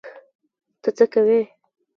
ته څه کوی؟